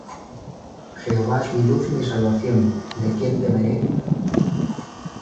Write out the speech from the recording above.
Jehova es mi luz y mi salvación: ¿de quién temeré?